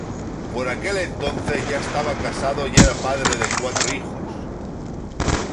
Por aquel entonces ya estaba casado y era padre de cuatro hijos.